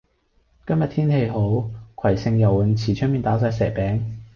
今日天氣好，葵盛游泳池出面打晒蛇餅。